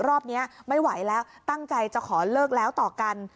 รอบนี้ไม่ไหวแล้วตั้งใจจะขอเลิกแล้วต่อกัน